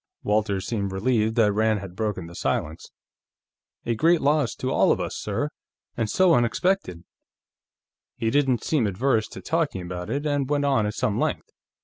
Walters seemed relieved that Rand had broken the silence. "A great loss to all of us, sir. And so unexpected." He didn't seem averse to talking about it, and went on at some length.